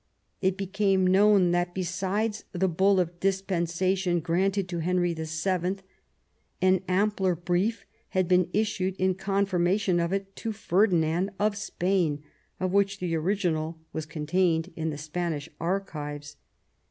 It became known that, besides the bull of dispensation granted to Henry VII., an ampler brief had been issued in con firmation of it to Ferdinand of Spain, of which the original was contained in the Spanish archives.